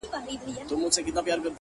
دومره کمزوری يم له موټو نه چي زور غورځي!